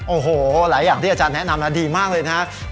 โอ้โหหลายอย่างที่อาจารย์แนะนำดีมากเลยนะครับ